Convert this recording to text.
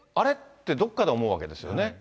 ってどっかで思うわけですよね。